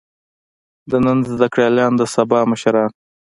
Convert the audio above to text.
د نن زده کړيالان د سبا مشران.